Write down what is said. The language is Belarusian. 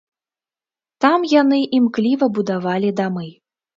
Там яны імкліва будавалі дамы.